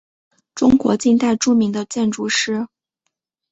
中国近代著名的建筑师。